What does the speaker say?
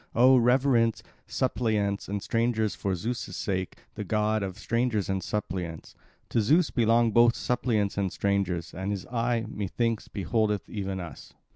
Oh, reverence suppliants and strangers for Zeus' sake, the god of strangers and suppliants. To Zeus belong both suppliants and strangers; and his eye, methinks, beholdeth even us."